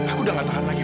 aku udah gak tahan lagi